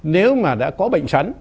nếu mà đã có bệnh sẵn